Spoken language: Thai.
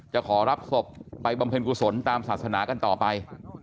ขอรับศพไปบำเพ็ญกุศลตามศาสนากันต่อไป